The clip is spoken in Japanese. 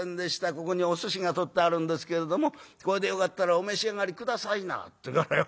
『ここにお寿司が取ってあるんですけれどもこれでよかったらお召し上がり下さいな』っていうからよ